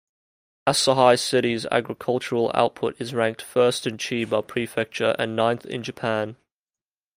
Asahi City's agricultural output is ranked first in Chiba Prefecture and ninth in Japan.